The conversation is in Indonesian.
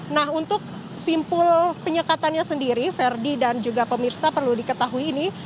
nah untuk simpul penyekatannya sendiri ferdi dan juga pemirsa perlu diketahui ini